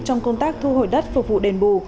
trong công tác thu hồi đất phục vụ đền bù